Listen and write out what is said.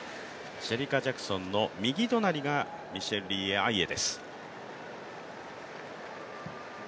シェリカ・ジャクソンの右隣がミッシェルリー・アイエです。